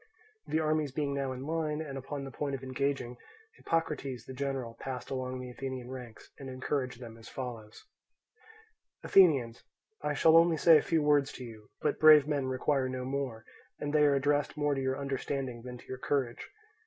The armies being now in line and upon the point of engaging, Hippocrates, the general, passed along the Athenian ranks, and encouraged them as follows: "Athenians, I shall only say a few words to you, but brave men require no more, and they are addressed more to your understanding than to your courage.